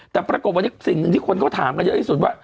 แต่ปรากฏวันนี้สิ่งหนึ่งที่คนเขาถามกันเยอะที่สุดว่า